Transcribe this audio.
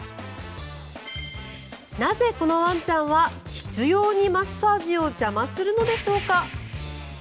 なぜこのワンちゃんは執ようにマッサージを邪魔するのでしょうか。